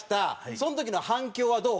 その時の反響はどう？